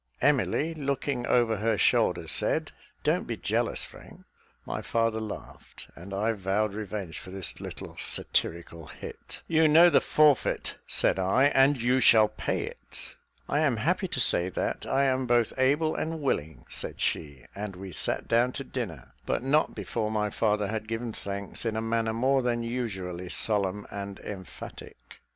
Emily, looking over her shoulder, said, "Don't be jealous, Frank." My father laughed, and I vowed revenge for this little satirical hit. "You know the forfeit," said I, "and you shall pay it." "I am happy to say that I am both able and willing," said she, and we sat down to dinner, but not before my father had given thanks in a manner more than usually solemn and emphatic.